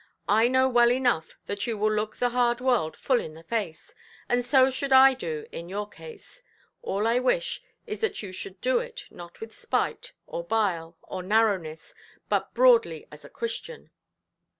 I know well enough that you will look the hard world full in the face. And so should I do, in your case. All I wish is that you should do it, not with spite, or bile, or narrowness, but broadly as a Christian".